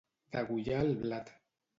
Degollar el blat.